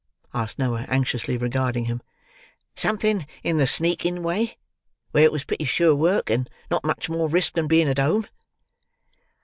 asked Noah, anxiously regarding him. "Something in the sneaking way, where it was pretty sure work, and not much more risk than being at home."